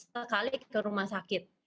sekali ke rumah sakit